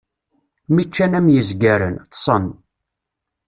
Mi ččan am yizgaren, ṭṭsen.